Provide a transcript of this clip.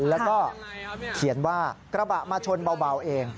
แล้วก็เขียนว่ากระบะมาชนเบาเอง